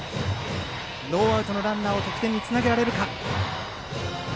ノーアウトのランナーを得点につなげられるか。